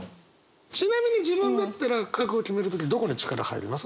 ちなみに自分だったら覚悟を決める時どこに力入ります？